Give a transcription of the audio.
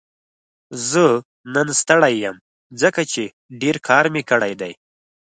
زه نن لږ ستړی یم ځکه چې ډېر کار مې کړی دی